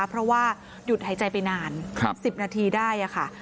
เพราะว่าหยุดหายใจไปนาน๑๐นาทีได้ค่ะ